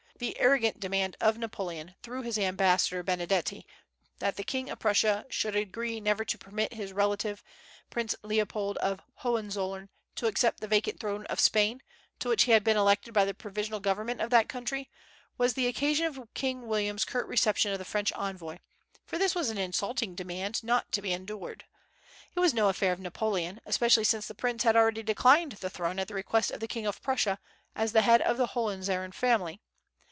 The arrogant demand of Napoleon, through his ambassador Benedetti, that the king of Prussia should agree never to permit his relative, Prince Leopold of Hohenzollern, to accept the vacant throne of Spain, to which he had been elected by the provisional government of that country, was the occasion of King William's curt reception of the French envoy; for this was an insulting demand, not to be endured. It was no affair of Napoleon, especially since the prince had already declined the throne at the request of the king of Prussia, as the head of the Hohenzollern family.